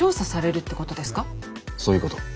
そういうこと。